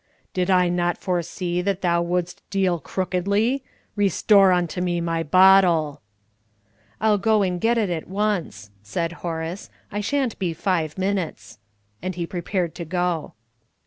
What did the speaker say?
"Did I not foresee that thou wouldst deal crookedly? Restore unto me my bottle!" "I'll go and get it at once," said Horace; "I shan't be five minutes." And he prepared to go.